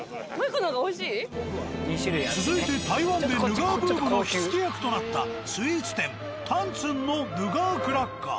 続いて台湾でヌガーブームの火付け役となったスイーツ店「糖村」のヌガークラッカー。